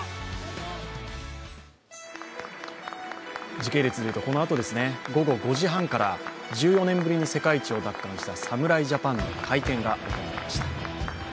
時系列でいうと、このあと、午後５時半から１４年ぶりに世界一を奪還した侍ジャパンの会見が行われました。